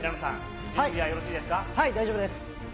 はい、大丈夫です。